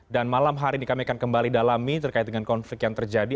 dan malam hari ini kami akan kembali dalami terkait dengan konflik yang terjadi